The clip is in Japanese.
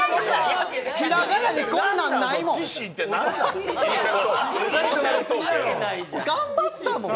ひらがなで、こんなんないもん。